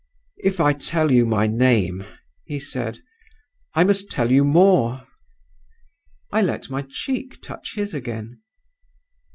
"'If I tell you my name,' he said, 'I must tell you more.' "I let my cheek touch his again.